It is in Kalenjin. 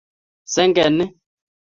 senge ni